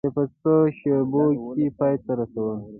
یې په څو شېبو کې پای ته رسوله.